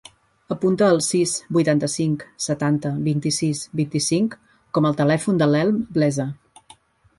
Apunta el sis, vuitanta-cinc, setanta, vint-i-sis, vint-i-cinc com a telèfon de l'Elm Blesa.